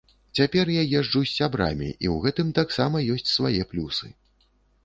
Цяпер я езджу з сябрамі і ў гэтым таксама ёсць свае плюсы.